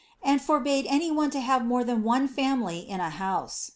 and forbade any one to have more than one family in a house.